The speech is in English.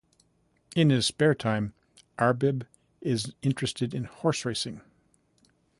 In his spare time, Arbib is interested in horse racing.